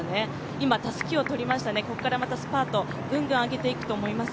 今、たすきを取りましたね、ここからスパートぐんぐん上げていくと思います。